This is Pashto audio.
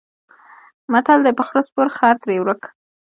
متل دی: په خره سپور خر ترې ورک.